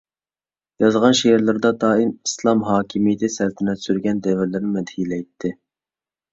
يازغان شېئىرلىرىدا دائىم ئىسلام ھاكىمىيىتى سەلتەنەت سۈرگەن دەۋرلىرىنى مەدھىيەلەيتتى.